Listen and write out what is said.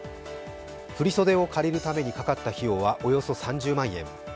振り袖を借りるためにかかった費用はおよそ３０万円。